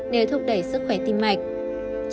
nếu thúc đẩy sức khỏe tim mạch